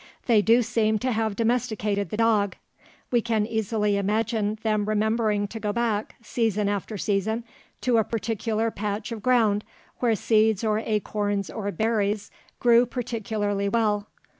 They do seem to have domesticated the dog. We can easily imagine them remembering to go back, season after season, to a particular patch of ground where seeds or acorns or berries grew particularly well.